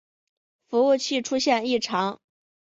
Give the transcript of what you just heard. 服务器出现异常